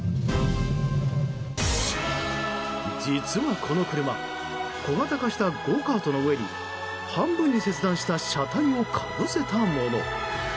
実は、この車小型化したゴーカートの上に半分に切断した車体をかぶせたもの。